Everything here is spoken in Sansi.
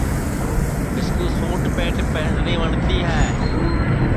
مِسکُو سُٹ پنٚٹ پہرنی وٹؔتی ہے